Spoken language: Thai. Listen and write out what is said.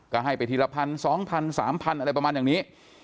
ก็ให้ไปทีละ๑๒๐๐๓๐๐อะไรประมาณอย่างนี้